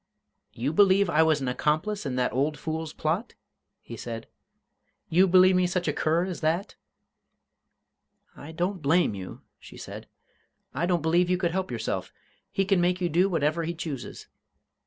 "You believe I was an accomplice in that old fool's plot?" he said. "You believe me such a cur as that?" "I don't blame you," she said. "I don't believe you could help yourself. He can make you do whatever he chooses.